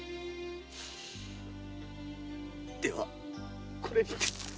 ではこれで。